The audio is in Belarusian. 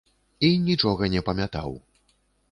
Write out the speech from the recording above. І нічога не памятаў.